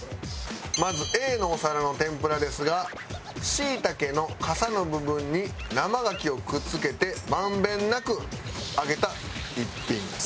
まずＡのお皿の天ぷらですが椎茸のかさの部分に生牡蠣をくっつけて満遍なく揚げた一品です。